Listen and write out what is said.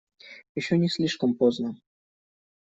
Еще не слишком поздно.